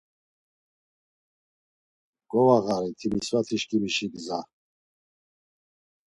Govağari Timisvatişǩimişi gza…